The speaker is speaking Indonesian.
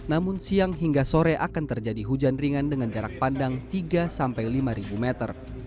namun siang hingga sore akan terjadi hujan ringan dengan jarak pandang tiga sampai lima meter